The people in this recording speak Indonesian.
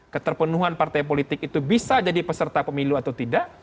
keterpenuhan partai politik itu bisa jadi peserta pemilu atau tidak